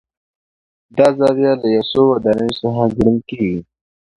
دا زاویه یو له څو ودانیو څخه ګڼل کېږي.